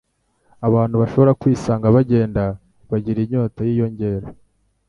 Abantu bashobora kwisanga bagenda bagira inyota yiyongera